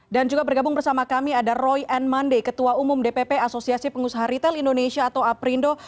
dan juga bergabung bersama kami ada roy n mande ketua umum dpp asosiasi pengusaha ritel indonesia atau aprindo